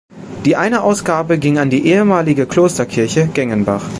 Die eine Ausgabe ging an die ehemalige Klosterkirche Gengenbach.